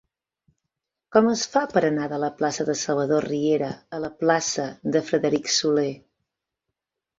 Com es fa per anar de la plaça de Salvador Riera a la plaça de Frederic Soler?